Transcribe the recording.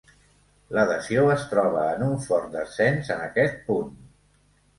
L'adhesió es troba en un fort descens en aquest punt.